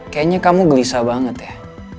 kayaknya kamu gelisah banget ya